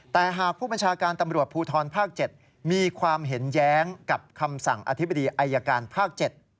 แต่หากผู้บัญชาการตำรวจภูทรภาค๗มีความเห็นแย้งกับคำสั่งอธิบดีอายการภาค๗